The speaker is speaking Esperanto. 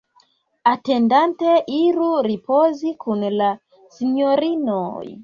Atendante, iru ripozi kun la sinjorinoj.